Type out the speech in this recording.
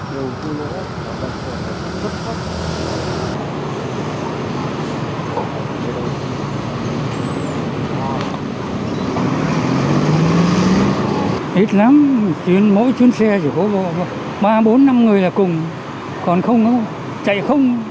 mỗi chuyến xe chỉ có ba bốn năm người là cùng còn không chạy không